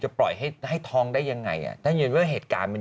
จะปล่อยให้ให้ท้องได้ยังไงอ่ะถ้ายังเรื่องเหตุการณ์มัน